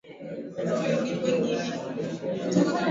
Vikundi vya wakulima huasaidia maafisa masoko